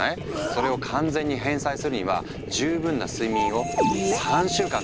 それを完全に返済するには十分な睡眠を３週間続ける必要があるんだ。